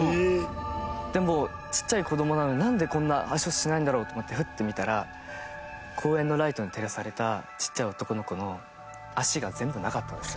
でもうちっちゃい子供なのになんでこんな足音しないんだろうと思ってフッて見たら公園のライトに照らされたちっちゃい男の子の足が全部なかったんです。